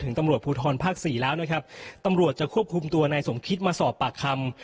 ตำรวจภูทรภาคสี่แล้วนะครับตำรวจจะควบคุมตัวนายสมคิดมาสอบปากคำ